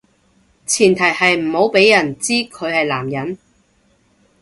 前提係唔好畀人知佢係男人